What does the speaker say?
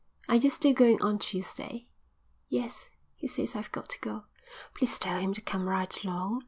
"Are you still going on Tuesday?" "Yes, he says I've got to go. Please tell him to come right along.